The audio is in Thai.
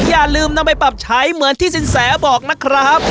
อย่าลืมนำไปปรับใช้เหมือนที่สินแสบอกนะครับ